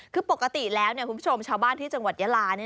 คือปกติแล้วคุณผู้ชมชาวบ้านที่จังหวัดยาลา